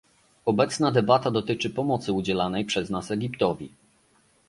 Obecna debata dotyczy pomocy udzielanej przez nas Egiptowi